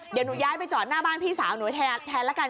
เดี๋ยวหนูย้ายไปจอดหน้าบ้านพี่สาวหนูแทนละกัน